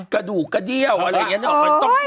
กระดูกกระเดี้ยวอะไรอย่างนี้